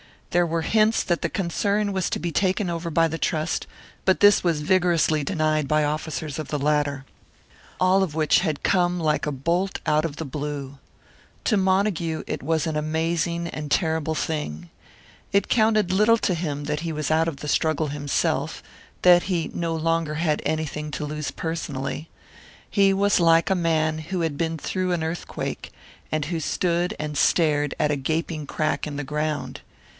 There were hints that the concern was to be taken over by the Trust, but this was vigorously denied by officers of the latter. All of which had come like a bolt out of the blue. To Montague it was an amazing and terrible thing. It counted little to him that he was out of the struggle himself; that he no longer had anything to lose personally. He was like a man who had been through an earthquake, and who stood and stared at a gaping crack in the ground.